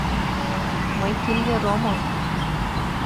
Мый киллер омыл.